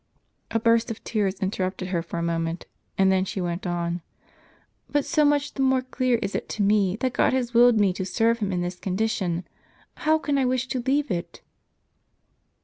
A burst of tears interrupted her for a moment, and then she went on. "But so much the more clear is it to me, that God has willed me to serve Him in this condition. How can I wish to leave it?